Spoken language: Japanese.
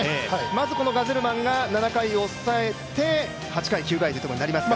まずガゼルマンが７回を抑えて、８、９回となりますね。